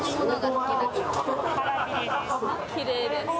きれいです